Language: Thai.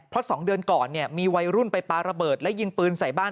เพราะ๒เดือนก่อนเนี่ยมีวัยรุ่นไปปลาระเบิดและยิงปืนใส่บ้าน